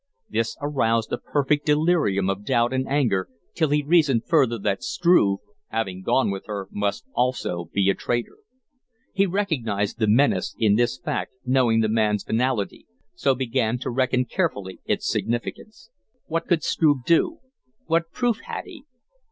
This aroused a perfect delirium of doubt and anger till he reasoned further that Struve, having gone with her, must also be a traitor. He recognized the menace in this fact, knowing the man's venality, so began to reckon carefully its significance. What could Struve do? What proof had he?